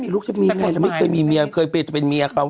ลูกจะมีไงเราไม่เคยมีเมียเคยจะเป็นเมียเขา